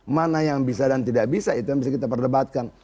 mana yang bisa dan tidak bisa itu yang bisa kita perdebatkan